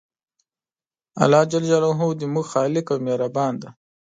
الله ج زموږ خالق او مهربان دی